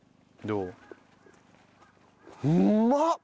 うまっ！